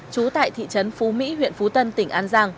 trú tại thị trấn phú mỹ huyện phú tân tỉnh an giang